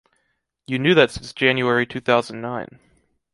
You knew that since January two thousand nine.